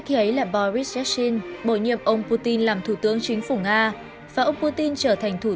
tên là boris yeltsin bổ nhiệm ông putin làm thủ tướng chính phủ nga và ông putin trở thành thủ